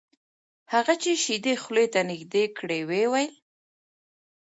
هغه چې شیدې خولې ته نږدې کړې ویې ویل: